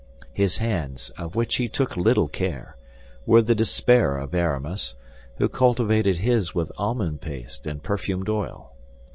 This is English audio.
His hands, of which he took little care, were the despair of Aramis, who cultivated his with almond paste and perfumed oil.